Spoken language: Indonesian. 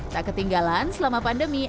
tak ketinggalan selama pandemi